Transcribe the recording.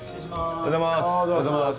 おはようございます。